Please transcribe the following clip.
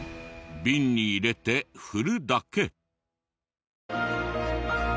瓶に入れて振るだけ。